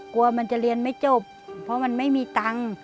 กลัวมันจะเรียนไม่จบเพราะมันไม่มีตังค์